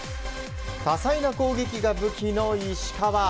多彩な攻撃が武器の石川。